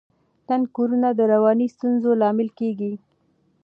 تنګ کورونه د رواني ستونزو لامل کیږي.